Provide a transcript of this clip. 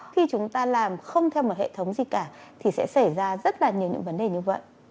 khi chúng ta làm không theo một hệ thống gì cả thì sẽ xảy ra rất là nhiều những vấn đề như vậy